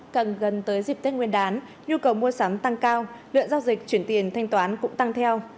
càng gần tới dịp tết nguyên đán nhu cầu mua sắm tăng cao lượng giao dịch chuyển tiền thanh toán cũng tăng theo